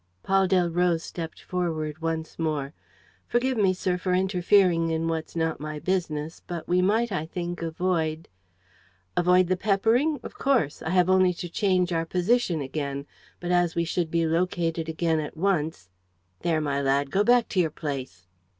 Paul Delroze stepped forward once more. "Forgive me, sir, for interfering in what's not my business; but we might, I think, avoid ..." "Avoid the peppering? Of course, I have only to change our position again. But, as we should be located again at once. ... There, my lad, go back to your place."